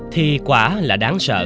thì quả là đúng rồi